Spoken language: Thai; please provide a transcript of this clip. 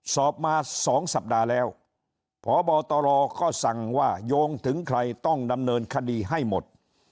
สอบมา๒สัปดาห์แล้วพบตรก็สั่งว่าโยงถึงใครต้องดำเนินคดีให้หมด